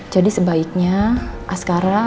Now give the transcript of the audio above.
jadi sebaiknya askara